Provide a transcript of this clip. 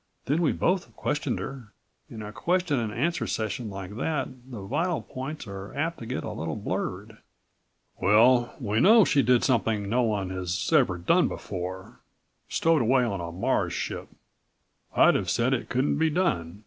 Then we both questioned her. In a question and answer session like that the vital points are apt to get a little blurred." "Well, we know she did something no one has ever done before stowed away on a Mars' ship. I'd have said it couldn't be done